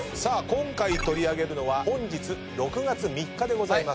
今回取り上げるのは本日６月３日でございます。